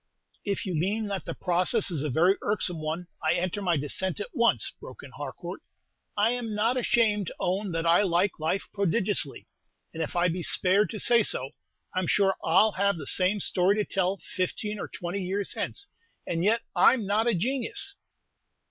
"If you mean that the process is a very irksome one, I enter my dissent at once," broke in Harcourt. "I 'm not ashamed to own that I like life prodigiously; and if I be spared to say so, I 'm sure I 'll have the same story to tell fifteen or twenty years hence; and yet I 'm not a genius!"